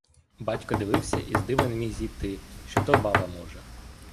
Батько дивився і з дива не міг зійти, що то баба може.